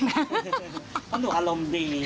เพราะหนูอารมณ์ดี